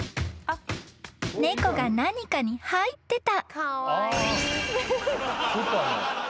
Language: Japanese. ［猫が何かに入ってた］